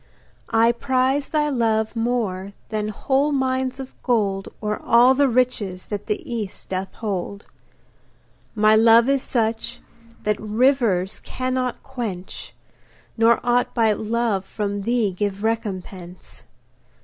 I prize thy love more than whole mines of gold Or all the riches that the East doth hold. My love is such that rivers cannot quench, Nor aught but love from thee give recompense.